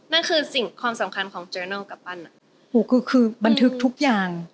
นั่นคือสิ่งความสำคัญของเจอนอลกับปั้นอ่ะหูคือคือบันทึกทุกอย่าง